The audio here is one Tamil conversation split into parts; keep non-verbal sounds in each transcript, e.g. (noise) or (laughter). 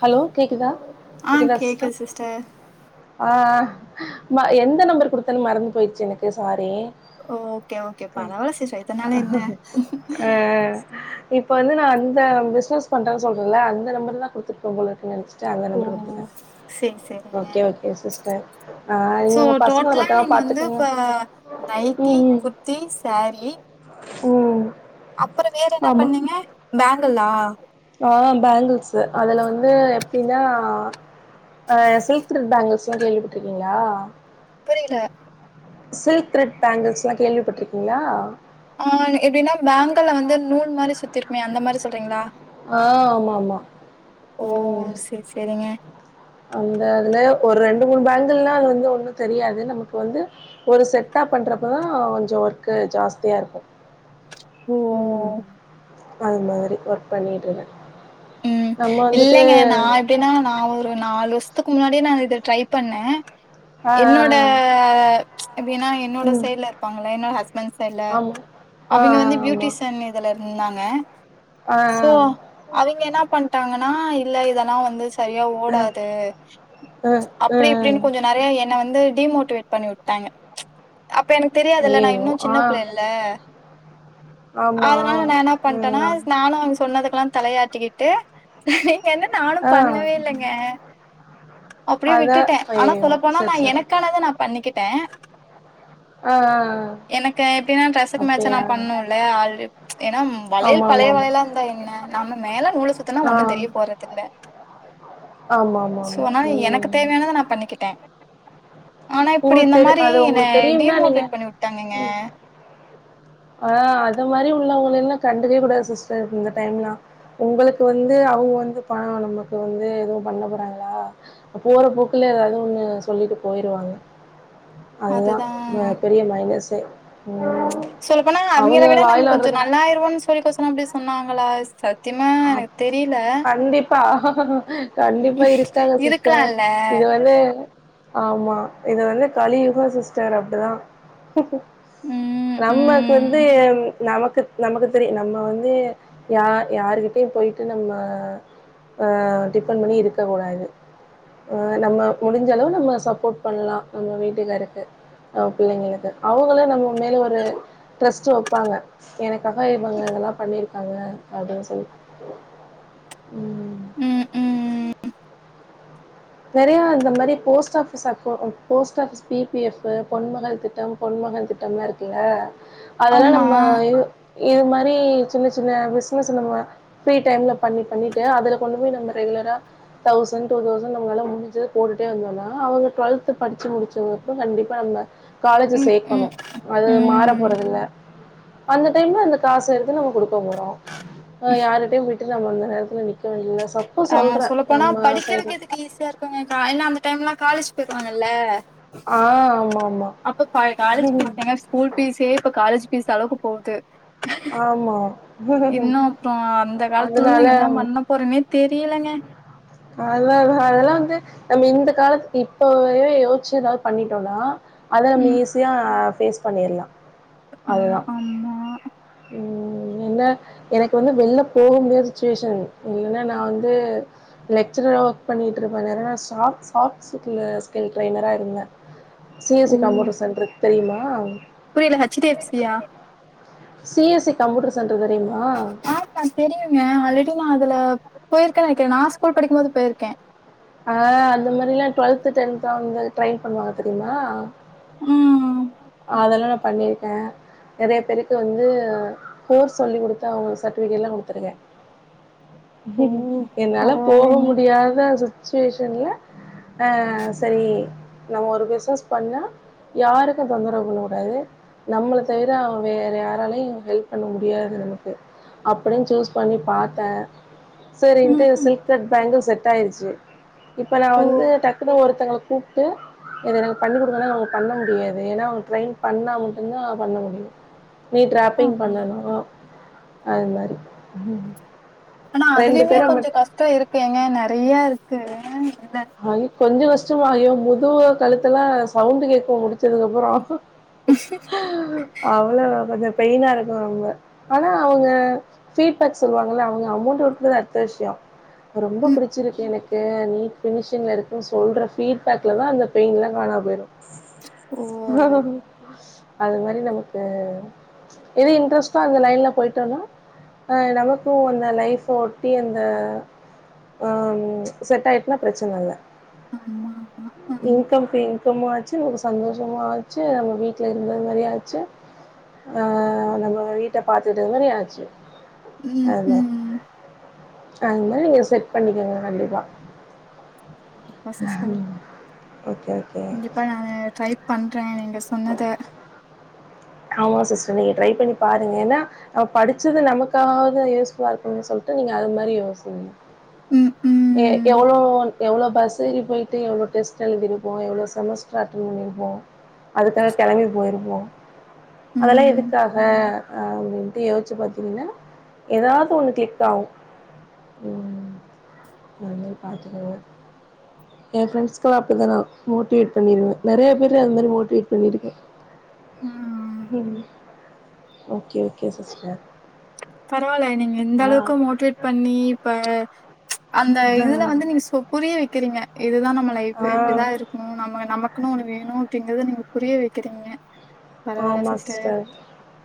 ஹலோ கேக்குதா ஆ கேக்குதா சிஸ்டர் கேக்குது ஆ ஆ ம எந்த நம்பர் குடுத்தன்னு மறந்து போயிருச்சு எனக்கு சாரி ஓ ஓகே ஓகே பரவால்ல சிஸ் இதனால என்ன அ இப்ப வந்து நா அந்த பிஸ்னஸ் பண்றனு சொன்னன்ல அந்த நம்பர் தா குடுத்துருக்க போலருக்கு நெனச்சு சி அந்த ஓ நம்பர் குடுத்துருக்கே சேரி சேரிங்க ஓகே ஓகே சிஸ்டர் அ சோ எங் பசங்களப் டோட்டலா ப்பா நீங்க வந்து பாத்துக்குங்க ம் ம் திங் சாரீ ஓ அப்புறோ வேற என்ன பண்ணிங்க பேங்குல்லா ஆ பேங்கிள்ஷு அதுல வந்து எப்டின்னா அ சில்க்த்ரெட் பேங்கிள்ஸ்லா கேள்வி பட்ருக்கிங்ளா புரியில சில்க் த்ரெட் பேங்கிள்ஸ்லா கேள்வி பட்ருக்கீங்ளா ஆ எப்படின்னா பேங்க் க்கல வந்து நூல் மாரி சுத்திருக்குமே அந்த மாரி சொல்றீங்களா ஆ ஆமா ஆமா ஓ ம் சேரி சேரிங்க அந்த அதுலே ஒரு ரெண்டு மூணு பேங்குள்லா அது வந்து ஒண்ணு தெரியாது நமக்கு வந்து ஒரு செட்டா பண்றப்பதா கொஞ்ச ஒர்க்கு ஜாஸ்தியாருக்கு ஓ ம் அது மேரி ஒர்க் பண்ணிட்டுருக்க ம் இல்லைங்க நா எப்டின்னா நா ஒரு நாலு வருஷத்துக்கு முன்னாடியே நா இத ட்ரை பண்ணே ஆ ஆ என்னோட ஆ எப்டின்னா என்னோட ம் சைட்ல இருப்பாங்கள என்னோட ஹஸ்பண்ட் சைட்ல ஆமா ஆ அவிங்க வந்து பியூட்டிசன் இதுல இருந்தாங்க ஆ ஆமா ஆ ஆ சோ அ அவிங்க என்ன பண்ட்டாங்கன்னா இல்ல இதெல்லா வந்துச்சு சரியா அ ஓடாது அ அப்டி இப்டின்னு கொஞ்சோ நறைய என்ன வந்து டிமோட்டிவேட் பண்ணி உட்டாங்க அப்ப எனக்கு தெரியாதுல்ல நா ஐயையோ இன்னு ஆ சின்ன புள்ளேல்ல ஆமா அதனால நா என்ன பண்ட்டனா ம் நானு (unintelligible) சொன்னதுக்கெல்லா தலையாட்டிக்கிட்டு நீங்க என்ன நானு ஆ பண்ணவே இல்லேங்க அப்டியே அதா விட்டுட்ட ஆனா ஐயையோ சொல்லப்போனா நா சரி சரி எனக்கானத நா பண்ணிக்கிட்ட ஆ ஆ ஆ எனக்கு எப்டின்னா ட்ரெஸ்ஸுக்கு மேட்ச்சா அப்டியா நா பண்ணுல்ல ஆல்ரிப் ஏனா ஆமா வளையல் ஆமா பழைய ஆமா வளையலா இருந்தா என்ன நம் மேல நூலு சுத்துணா ஒன்னு ஆ தெரிய போறதில்ல ஆமா, ஆமா, சோ ஆமா. நா எனக்கு ம். தேவையான அத நா பண்ணிக்கிட்டே ஆனா இப்டி உங்களுக்கு இந்த தெரி மாரி அது என்ன உங்களுக்கு தெரியும்னா நீங்க டிமோட்டிவேட் பண்ணி வுட்டுட்டாங்கங்க ஆ அது மாரி உள்ளவங்கள எல்லா கண்டுக்கவே கூடாது சிஸ்டர் இந்த டைம்லா உங்களுக்கு வந்து அவுங்க வந்து பண நமக்கு வந்து எது பண்ண போறாங்ளா போற போக்குல ஏதாவது ஒண்ணு சொல்லிட்டு போய் ருவாங்க அதுதா அதுதான் அ பெரிய மைனஸ்ஸே ம் சொல்ல போனா அவிங்கள அவங்க விட நம்ம வாயில கொஞ்ச வர்றது நல்லாயிருவோ சொல்லிக்க கொசன அப்டி சொன்னாங்ளா சத் ஆ ப் கண்டிப்பா ம். கண்டிப்பா இருக்கால சிஸ் இது இருக்கலாம்ல. இது வந்து ஆமா இது வந்து கலியுக சிஸ்டர் அப்டிதா ம், நம்மக் வந்து ம். நமக்குத் நமக்கு தெரியு நம்ம வந்து யார் யார்கி ட்டயு போயிட்டு நம்ம ஆ டிபெண்ட் பண்ணி இருக்க கூடாது ஆ நம்ம முடிஞ்ச அளவு நம்ம சப்போட் பண்லா நம்ம வீட்டுக்காருக்கு நம்ம பிள்ளைகளுக்கு அவங்களு நம்ம மேல ஒரு ட்ரஸ்ட் வப்பாங்க எனக்காக இவங்க இதெலா பண்ணிருக்காங்க அப்டின் சொல் ம் ம் ம் ம் நெறையா இந்த மாரி போஸ்ட் ஆஃபிஸ் அக்கோ post office P P F Ponmagal திட்டம் பொன்மகன் திட்டம்லா இருக்குல்ல அதெல்லா ஆமா. நம்ம யு இது மாரி சின்ன சின்ன பிசினஸ் நம்ம ப்ரீ டைம்ல பண்ணி பண்ணிட்டு அதுல கொண்டு போய் நம்ம ரெகுலரா தௌசண்ட் டூ தௌச ண்னு நம்ளால முடிஞ்சத போட்டுட்டே வந்தோனா அவுங்க டுவெல்த் படிச்சு முடிச்சதுகப்றோ கண்டிப்பா நம்ம காலேஜ ம், ம், சேக்கணு அது மாற ம். போறதில்ல அந்த டைம்ல அந்த காசு எடுத்து நம்ம குடுக்க போறோ அ யாரிட்ட போய் ட்டு நம்ம அந்த நேரத்ல நிக்க வேண்டிதில ஆ சொல்ல போனா படிக்கிறதுக்கு எதுக்கு ஈஸியா இருக் குங்க ஏனா அந்த டைம்லா காலேஜ் போயிருவாங்கள்ல ஆ ஆமாம் அப்ப ப காலேஜ் ஆமாம் ஃபீஸ் என்ன கூல் ஃபீஸே இப்ப காலேஜ் ஃபீஸ் அளவுக்கு போகுது ஆமாம் இன்னு அப்ப அந்த காலத்துல நா என்னா அதனால பண்ண போறேனே தெரியலங்க நல்லதுதா அதெல்லா வந்து நம்ம இந்த காலத்துக்கு இப்பவே யோசிச்சு ஏதாவது பண்ணிட்டோனா அத நம்ம ம். ஈஸியா ஃபேஸ் பண்ணிர்லா ஆ அதுதா ஆமா. ம் என்ன எனக்கு வந்து வெளில போக முடியாத சிச்சுவேஷன் இல்லனா நா வந்து லெக்சரரா ஒர்க் பண்ணிட்ருப்பே இந்நேரோ நா சா சாஃப்ட் ஸ்கில்லு ட்ரைனரா இருந்தே C S C computer centre தெரியுமா புரில ஹெச் டி எஃப் சி யா C S C computer centre தெரியுமா ஆமா தெரியுங்க ஆல்ரெடி நா அதுல போயிருக்கே நெனைக்கிறே நா ஸ்கூல் படிக்கும் போது போயிருக்கே ஆ அந்த மாரிலா டுவல்த் டென்த் வந்து ட்ரைன் பண்ணுவாங்க தெரிமா ம் அதெல்லா நா பண்ணிருக்கே நெறைய பேருக்கு வந்து கோர்ஸ் சொல்லி கொடுத்து அவங்க சர்ட்டிஃபிகேட்ல கொடுத்துருக்கே (inaudible) என்னால போக பரவாயில்லங்க. முடியாத சுச்சுவேஷன்ல அ சரி நம்ம ஒரு பிஸ்னஸ் பண்ணா யாருக் தொந்தரவு பண்ண கூடாது நம்மள தவிர வேற யாராலையும் ஹெல்ப் பண்ண முடியாது நமக்கு அப்படின்னு சூஸ் பண்ணி பாத்தே சரி இன்ட்டு ம், ம். சில்க் கட் பேங்கிள் செட் ஆயிடுச்சி இப்ப நா ஓ! வந்து டக்குனு ஒருத்தங்கள கூப்ட்டு இத எனக்கு பண்ணி கொடுக்கன்னா அவகளுக்கு பண்ண முடியாது ஏன்னா அவங்க க்ளைம் பண்ணா மட்டுந்தா பண்ண முடியு நீ டிராப்பிங் ஆமா. பண்ணனு அது மாரி ஆனா அதுலயுமே கொஞ்ச கஷ்டொ இருக்கு ஏங்க நெறைய ருக்கு ஆக கொஞ்ச கஷ்டமாகியு முதுகு கழுத்தெல்லா சவுண்டு கேக்கு முடிச்சதுக்கப்பறொ அவ்வளவு கொஞ்ச பெயினா ருக்கு ரொம்ப ஆனா அவங்க ஃபீட்பேக் சொல்லுவாங்கல்ல அவங்க அமௌண்ட் (unintelligible) அடுத்த விஷ்யொ ரொம்ப ம். புடிச்சிருக்கு எனக்கு நீட் ஃபினிஷிங்ல ருக்கு சொல்ற ஃபீட்பேக்லல்லா அந்த பெயின்லா காணாம் போய்ரு ஓ! அது மாரி எனக்கு எது இன்டரஸ்டொ அந்த லைன்ல போயிட்டோன்னா அ நமக்கு அந்த லைஃப் ஒட்டி அந்த அ செட் ஆயிட்னா பிரச்சனல்ல ஆமா, ஆமா. ம். இன்கம்கு இன்கமு ஆ ச்சு சந்தோஷமா ஆச்சு நம்ம வீட்டில இருந்த மாரி ஆச்சு அ நம்ம வீட்ட பாத்துட்ட மாரி ஆச்சு ம் ஹலோ ம். அது மாறி செட் பண்ணிக்கங்க கண்டிப்பா அ சிஸ்டர் ஓகே, ஓகே. கண்டிப்பா நானு ட்ரை பண்றே நீங்க சொன்னத (inaudible) ஆமா சிஸ்டர் நீங்க ட்ரை பண்ணி பாருங்க ஏன்னா நம்ம படிச்சது நமக்காவது யூஸ்ஃபுல்லா இருக்கும்னு சொல்லிட்டு நீங்க அது மாரி யோசிக்க ம் ம் எ எவ்ளோ எவ்ளோ பஸ் ஏறி போயிட்டு எவ்ளோ டெஸ்ட் எழுதிருப்போ எவ்ளோ செமஸ்டர் அட்டன் பண்ணிருப்போ அது கரெட்டு கெளம்பி போயிருப்போ அதெல்லா ம். எதுக்காக அப்டின்ட்டு யோசிச்சு பாத்தீங்கன்னா ஏதாவ்து ஒண்ணு கிள்ப் ஆவு வந்து பாத்துபோங்க எ பிரண்ட்ஸ்கல்லா அப்படிதா நா மொட்டிவேட் பண்ணிருவே நெறைய பேருல அது மாரி மோட்டிவேட் பண்ணிருக்கெ ம். ம் ஓகே ஓகே சிஸ்டர் பரவாயில்லயே நீங்க இந்த ஆ அளவுக்கு மோட்டிவேட் பண்ணி இப்ப அந்த இதுல வந்து நீங்க ஸ்வ புரிய வக்கிறீங்க இதுதா நம்ம லைஃபு ஆ இப்டிதா இருக் ம் நம நமக்குன்னு ஒண்ணு வேணு அப்படிங்கறது நீங்க புரிய வக்கிறீங்க ஆமா சிஸ்டர்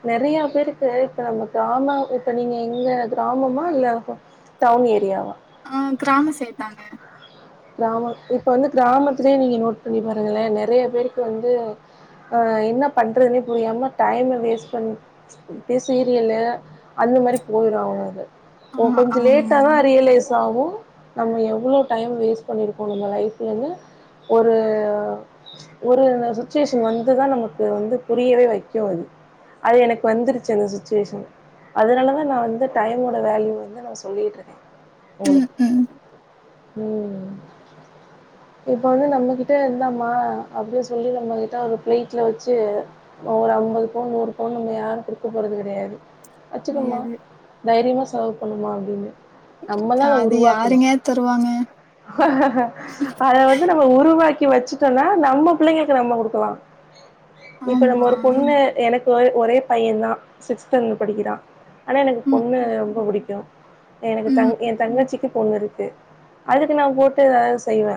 நெறைய பேருக்கு இப்ப நம்ம கிராம இப்ப நீங்க எங்க கிராமமா இல்ல டவுன் ஏரியாவா ஆ கிராம சேத்தாங்க கிராம இப்ப வந்து கிராமத்துலே நீங்க நோட் பண்ணி பாருங்களே நெறைய பேருக்கு வந்து ஆ என்ன பண்றதுனே புரியாம டைம வேஸ்ட் பண் இப்ப சீரியலு அந்த மாரி போயிரு அவளோது ஆ ஓ கொஞ்ச லேட்டா தா ஆமா. ரியலைஸ் ஆகு நம்ம எவ்ளோ டைம் வேஸ்ட் பண்ணிருக்கோ நம்ம லைஃப்லன்னு ஒரு ஒரு சுச்சிவேஷன் வந்துதா நமக்கு வந்து புரியவே வைக்கு அது அது எனக்கு வந்துருச்சு அந்த சுச்சிவேஷன் அதனால தா நா வந்து டைமோட வேல்யூ வந்து நா சொல்லிட்டுருக்க உங்களுக் ம் ம் இப்ப வந்து நம்மகிட்ட இந்தாமா அப்டியே சொல்லி நம்ம கிட்ட ஒரு பிளேட்ல வச்சி ஒரு ஐம்பது பவுன் நூறு பவுன் நம்ம யாரு குடுக்க போறது கெடையாது வச்சுக்கமா கிடையாது. தைரியமா செலவு பண்ணணு அப்டின்னு அது யாருங்க தருவாங்க அத வந்து நம்ம உருவாக்கி வச்சிட்டோனா நம்ம புள்ளைங்களுக்கு நம்ம குடுக்கலா இப்ப ஆமா. நம்ம ஒரு பொண்ணு எனக் கு ஒரே பையன் தா சிக்ஸ்த் ஸ்டாண்டர்ட் படிக்கிறா ஆனா எனக்கு ம், பொண்ணு ரொம்ப புடிக்கு எனக்கு தங் ம், என் தங்கச்சிக்கு பொண்ணு இருக்கு எடுத்து நா போட்டு எதாது செய்வ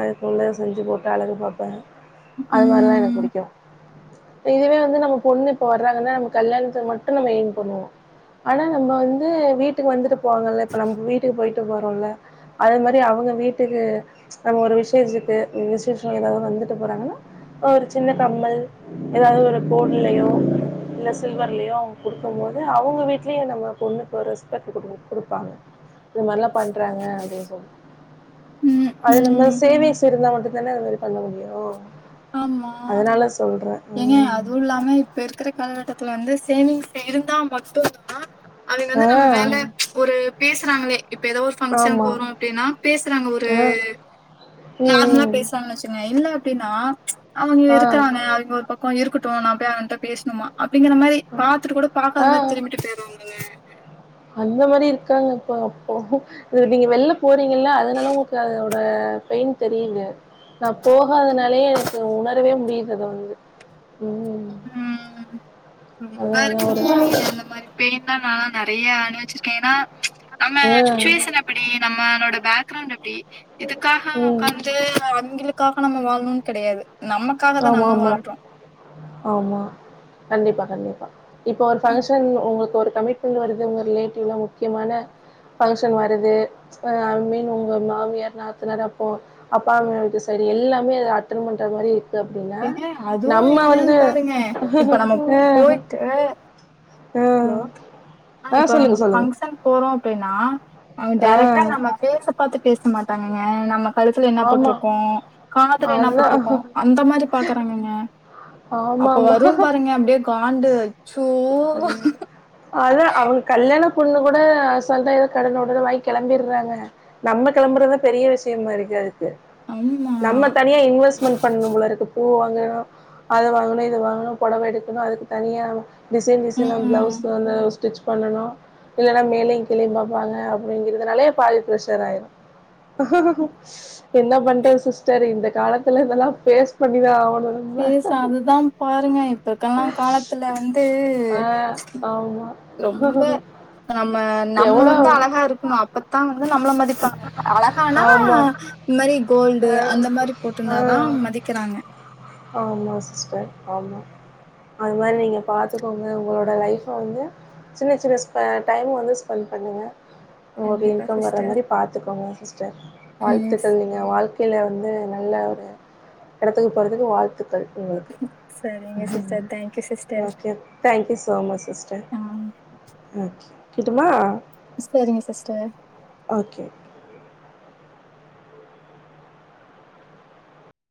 அதுக்குள்ள செஞ்சு போட்டு அழகு பாப்ப அது மாரில்லா எனக்கு ம். புடிக்கு இதுவே வந்து நம்ம பொண்ணு இப்ப வர்றாங்கன்னா நம்ம கல்யாணத்துக்கு மட்டு நம்ம ஏம் பண்ணுவோ ஆனா நம்ம வந்து வீட்டுக்கு வந்துட்டு போவாங்கல்ல இப்ப நம்ம வீட்டுக்கு போயிட்டு வரோல்ல அது மா ரி அவுங்க வீட்டுக்கு அவுங்க ஒரு விசேஷத்துக்கு விசேஷ ஏதாவது வந்துட்டு போறாங்கன்னா ஒரு சின்ன கம்மல் ஏதாவது ஒரு கோல்டுலையோ இல்ல சில்வர்லயோ அவுங்க குடுக்கும் போது அவுங்க வீட்லையு நம்ம பொண்ணுக்கு ஒரு ரெஸ்பெக்ட் குடு குடுப்பாங்க இது மாரிலா பண்றாங்க அப்டின் சொல்லி ம், அது நம்ம ம். சேவிங்ஸ் இருந்தா மட்டு தான அது மாரி பண்ண முடியு ஆமா ஏங்க அதுவு இல்லாம இப்ப இருக்கிற காலகட்டத்துல வந்து சேவிங்ஸ் இருந்தா மட்டு தா அவிங்க ஆ வந்து நம்ம மேல ஆ ஒரு பேசுறாங்ளே இப்ப ஏதோ ஒரு ஃபங்க்ஷன் ஆமா போறோ அப்டின்னா பேஷ்றாங்க ஒரு ஆ ம் நார்மலா ம் பேசறாங்கன் வச்சுகுங்க இல்ல எப்டின்னா அவுங்க ஆ இருக்குறாங்க அவுங்க ஒரு பக்கோ இருக்கட்டு நா போய் அவன்ட்ட பேசணுமா அப்டிங்கிற மாரி பாத்துட்டு கூட பாக்காத ஆ மாரி திரும்பிட்டு போயிருவாங்கங்க அந்த மாரி இருக்காங்க இப்ப அப்போ இது நீங்க வெளில போறீங்கல்ல அதனால உங்களுக்கு அதோட பெயின் தெரியிது நா போகாதனாலயே எனக்கு உணரவே முடியுது அது வந்து ம் ம் ரொம்ப அதா அதா ஒரு இருக்குமோ அந்த மாரி பெயின்ல நா நறைய அணிவிச்சிருக்க ஏன்னா நம்ம ஆ சுச்சிவேஷன் அப் எப்டி நம்மளோட பேக்ரவுண்ட் எப்டி இதுக்காக ம் உட்காந்து அவிங்களுக் காக நம்ம வாழணுனு கெடையாது நம்ம தா ஆமா ஆமா வாழ்றோ ஆமா கண்டிப்பா கண்டிப்பா இப்போ ஒரு ஃபங்க்ஷன் உங்களுக்கு ஒரு கமிட்மெண்ட் வருதுங்க ரிலேட்டிவ்ல முக்கியமான ஃபங்சஷன் வருது ஐ மீன் உங்க மாமியார் நாத்தனார் அப்போ அப்பா அங்க வீட்டு சைடு எல்லாமே அட்டன் பண்ற மாரி அப்டின்னா, ஏங்க அதுவு நம்ம என்னன் வந்து பாருங்க இப்ப நம்ம அ போயிட்டு அ ஆ இப்போ சொல்லுங்க, நம்ம சொல்லுங்க. பங்க்ஷன் போறோ அப்டின்னா அவுங்க ஆ டேரெக்ட்டா நம்ம பேச பாத்து பேச மாட்டாங்கங்க நம்ம கழுத்துல என்னாப் ஆமா. போட்ருக்கோ காதுல என்னாப் அதான். போட்ருக்கோ அந்த மாரி பாக்கறாங்கங்க அப்ப ஆமாமா. வரும் பாருங்க அப்டியே காண்டு அச்சோ அழ அவங்க கல்யாணப் பொண்ணு கூட அசந்தா எதோ கடன ஒடன வாய்ங் கெளம்பிர்றாங்க நம்ம கெளம்புறதா பெரிய விஷ்யமாருக் கு அதுக்கு ஆமா நம்மத் தனியா இன்வெஸ்மென் பண்ணும் போலருக்கு பூ வாங்கனு அத வாங்கணு இத வாங்கணு பொடவ எடுக்கணு அதுக்கு தனியாவு டிசைன் டிசைனா ம் ப்ளவுஸ் வந்து ஸ்டிச் பண்ணனு இல்லனா மேலியுங் கீழியும் பாப்பாங்க அப்டிங்கிறதுனாலியேப் பாதி ப்ரஷர் ஆயிரு என்ன பண்றது சிஸ்டர் இந்த காலத்துல இதெலா ஃபேஸ் பண்ணிதா ஆவணு பேச அதுதாம் பாருங்க இப்ப இருக்கலா காலத்துல வந்து ஆஹ் ஆமா ரொம்ப நம்ம நம்ம எவ்வளோ வந்து அழகா இருக்கணு அப்பத்தா வந்து நம்ள மதிப்பாங்க அழகானா ஆமா இந் மாரி கோல்டு ஆஹ் அந்த மாரி போட்ருந்தாதா ஆஹ் மதிக்கிறாங்க ஆமா சிஸ்டர் ஆமா அது மாரி நீங்க பாத்துகோங்க உங்களோட லைஃப வந்து சின்ன சின்ன ஸ்ப டைம் வந்து ஸ்பென்ட் பண்ணுங்க ஒங்ளுக்கு கண்டிப்பா இன்கம் வர சிஸ்டர் மாரி பாத்துகோங்க சிஸ்டர் ம் வாழ்த்துக்கள் நீங்க வாழ்க்கைல வந்து நல்ல ஒரு எடத்துக்கு போறதுக்கு வாழ்த்துக் க்கள் உங்களுக்கு சரிங்க sister thank you sister okay thank you so much sister okay கிட்டுமா ஸ்பேரிங்க சிஸ்டர் ஓகே